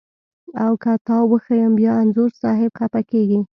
او که تا وښیم بیا انځور صاحب خپه کږي.